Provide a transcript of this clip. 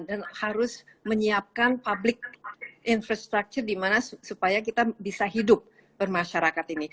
dan harus menyiapkan infrastruktur publik di mana supaya kita bisa hidup bermasyarakat ini